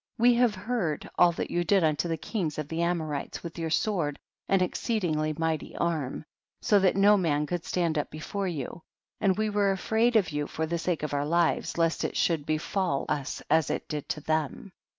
We have heard all that you did unto the kings of the Amorites with your sword and exceedingly mighty arm, so that no man could stand up before you, and we were afraid of you for the sake of our lives, lost it should befall us as it did to them.